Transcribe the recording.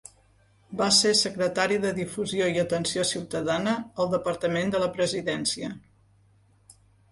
Va ser secretari de Difusió i Atenció Ciutadana al Departament de la Presidència.